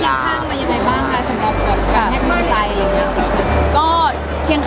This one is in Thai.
เขาเคียงข้างมียังไงบ้างค่ะ